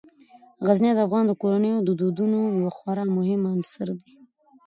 غزني د افغان کورنیو د دودونو یو خورا مهم عنصر دی.